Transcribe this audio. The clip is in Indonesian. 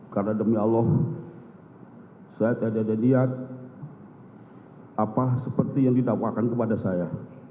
karena demi allah saya tidak ada niat apa seperti yang didakwakan kepada saya